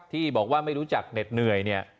ที่บอกว่าไม่รู้จักเหน็ดเหนื่อยเนี่ย